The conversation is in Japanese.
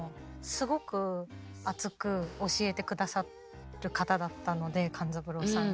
すごく熱く教えて下さる方だったので勘三郎さんが。